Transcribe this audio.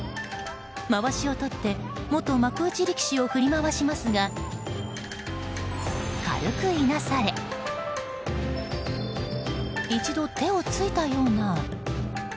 まわしを取って元幕内力士を振り回しますが軽くいなされ一度、手をついたような。